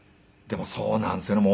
でもそうなんですよね。